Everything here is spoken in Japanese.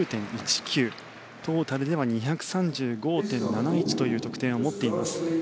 トータルでは２３５．７１という得点を持っています。